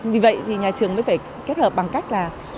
vì vậy thì nhà trường mới phải kết hợp bằng cách là